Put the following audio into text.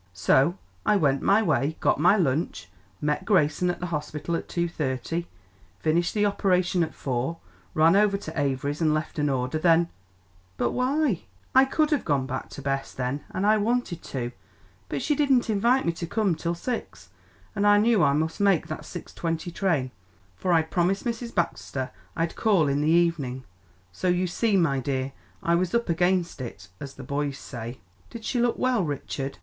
So I went my way, got my lunch, met Grayson at the hospital at two thirty, finished the operation at four, ran over to Avery's and left an order, then " "But why " "I could have gone back to Bess then, and I wanted to; but she didn't invite me to come till six, and I knew I must make that six twenty train, for I'd promised Mrs. Baxter I'd call in the evening. So you see, my dear, I was up against it, as the boys say." "Did she look well, Richard?"